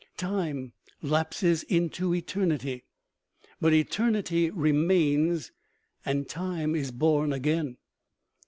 Time lapses into eternity. But eternity remains, and time is born again.